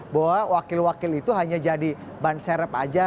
bahwa wakil wakil itu hanya jadi banserap saja